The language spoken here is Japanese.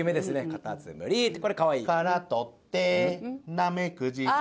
カタツムリってこれかわいい殻取ってナメクジさん